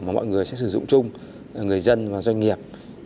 mà mọi người sẽ sử dụng chung người dân và doanh nghiệp